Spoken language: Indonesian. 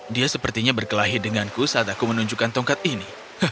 dia sepertinya berkelahi denganku saat aku menunjukkan tongkat ini